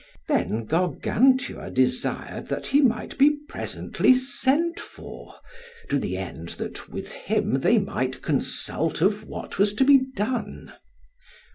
Then Gargantua desired that he might be presently sent for, to the end that with him they might consult of what was to be done.